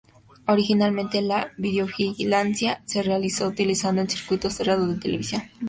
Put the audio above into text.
Originalmente, la videovigilancia se realizó utilizando un circuito cerrado de televisión.